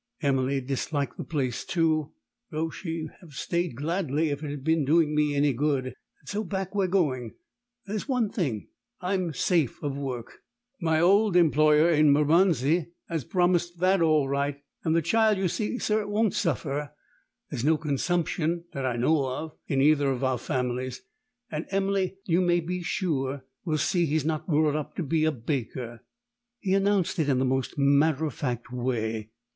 Emily disliked the place, too; though she'd have stayed gladly if it had been doing me any good. And so back we're going. There's one thing: I'm safe of work. My old employer in Bermondsey has promised that all right. And the child, you see, sir, won't suffer. There's no consumption, that I know of, in either of our families; and Emily, you may be sure, will see he's not brought up to be a baker." He announced it in the most matter of fact way.